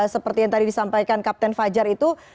seperti yang tadi disampaikan kapten fajar itu